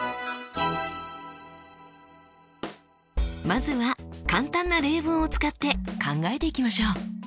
まずは簡単な例文を使って考えていきましょう。